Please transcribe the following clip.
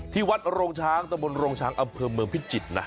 ที่วัดโรงช้างตะบนโรงช้างอำเภอเมืองพิจิตรนะ